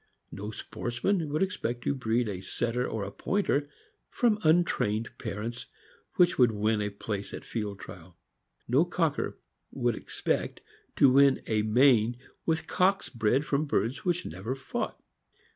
No sportsman would expect to breed a Setter or Pointer from untrained parents which would win a place at a field trial. No cocker would expect to win a main with cocks bred from birds which never fought.